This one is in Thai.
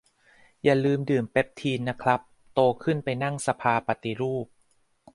อย่าลืมดื่มเปปทีนนะครับ โตขึ้นไปนั่งสภาปฏิรูป